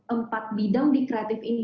empat bidang di kreatif ini